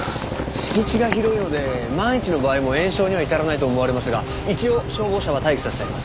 敷地が広いので万一の場合も延焼には至らないと思われますが一応消防車は待機させてあります。